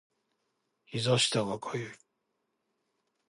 膝下が痒い